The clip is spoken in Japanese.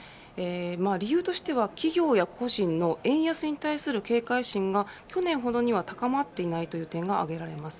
理由としては、企業や個人の円安に対する警戒心が去年ほどには高まっていないという点が挙げられます。